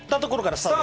スタート。